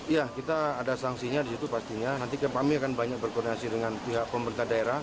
ya kita ada sanksinya di situ pastinya nanti kami akan banyak berkoordinasi dengan pihak pemerintah daerah